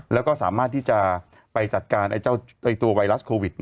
แล้วก็สามารถที่จะไปจัดการตัวไวรัสโควิด